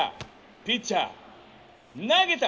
ピッチャー投げた！